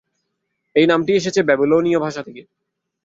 এই নামটি এসেছে ব্যাবিলনীয় ভাষা থেকে।